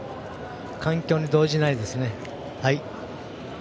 環境に動じないですね。